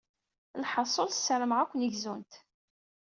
Lḥaṣul, ssarameɣ ad ken-gzunt.